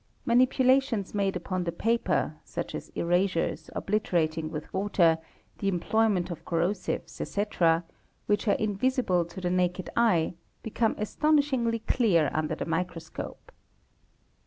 Manipulations made upon the paper, such as erasures, obliterating with water, the employment of corrosives, etc., which are invisible to the naked eye, become astonishingly clear under the microscope.